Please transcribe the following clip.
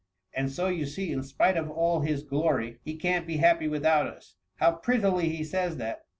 And so you see, in spite of all his glory, he can \ be happy without us. How prettily he says that